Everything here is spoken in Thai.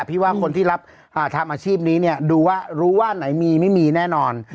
พี่ว่าคนที่รับทำอาชีพนี้เนี่ยดูว่ารู้ว่าไหนมีไม่มีแน่นอน